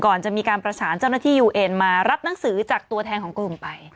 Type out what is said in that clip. ก่อนจะมีการประสานเจ้าหน้าที่ยูเอ็นมารับหนังสือจากตัวแทนของกลุ่มไป